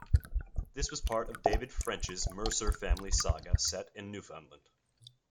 This was part of David French's Mercer family saga set in Newfoundland.